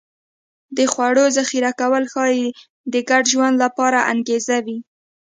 د خوړو ذخیره کول ښایي د ګډ ژوند لپاره انګېزه وي